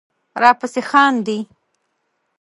راپسې خاندې